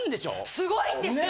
すごいんですよ！